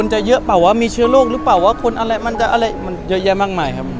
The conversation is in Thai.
หรือเปล่าว่ามีเชื้อโรคหรือเปล่าว่าคนอะไรมันเยอะแยะมากมายครับ